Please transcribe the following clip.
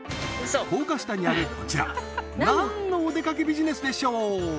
高架下にあるこちら何のおでかけビジネスでしょう？